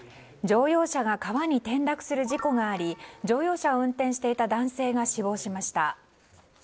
乗用車が川に転落する事故があり乗用車を運転していた男性が死亡しました。